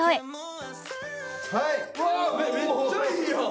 めっちゃいいやん！